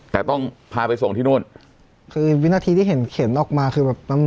แต่ต้องพาไปส่งที่นู่นคือวินาทีที่เห็นเข็นออกมาคือแบบน้ำ